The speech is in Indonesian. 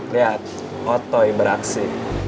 lihat otoy beraksi